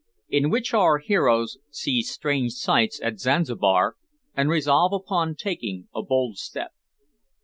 IN WHICH OUR HEROES SEE STRANGE SIGHTS AT ZANZIBAR, AND RESOLVE UPON TAKING A BOLD STEP.